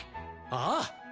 ああ！